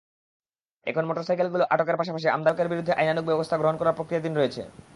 এখন মোটরসাইকেলগুলো আটকের পাশাপাশি আমদানিকারকের বিরুদ্ধে আইনানুগ ব্যবস্থা গ্রহণ প্রক্রিয়াধীন রয়েছে।